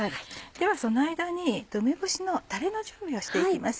ではその間に梅干しのたれの準備をして行きます。